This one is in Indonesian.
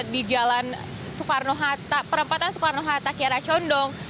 di jalan perempatan soekarno hatta kiaracondong